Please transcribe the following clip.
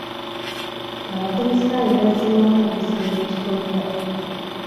Abakulisitaayo bazze wamu okuzimba ekikomera.